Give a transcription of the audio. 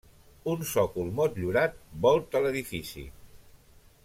Un sòcol motllurat volta l'edifici.